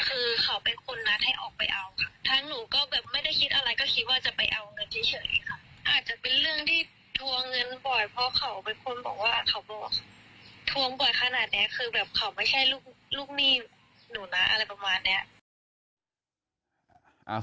คือเขาไม่ใช่ลูกหนี่หนูนะอะไรประมาณเนี้ย